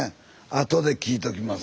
あとで聞いときます。